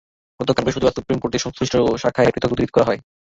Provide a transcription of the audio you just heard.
গতকাল বৃহস্পতিবার সুপ্রিম কোর্টের সংশ্লিষ্ট শাখায় পৃথক দুটি রিট করা হয়।